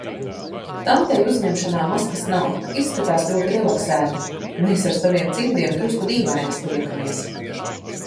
Tantei uzņemšanā maskas nav, izskatās ļoti relaksēta, mēs ar saviem cimdiem drusku dīvainas liekamies.